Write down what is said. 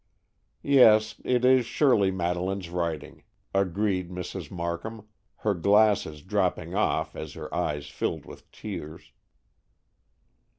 "Yes, it is surely Madeleine's writing," agreed Mrs. Markham, her glasses dropping off as her eyes filled with tears.